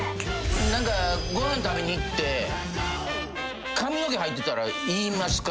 何かご飯食べに行って髪の毛入ってたら言いますか？